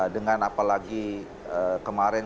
dengan apalagi kemarin